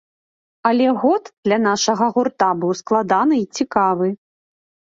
Але год для нашага гурта быў складаны і цікавы.